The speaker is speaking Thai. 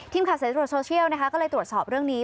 ทีมขาดเสร็จตรวจโซเชียลนะคะก็เลยตรวจสอบเรื่องนี้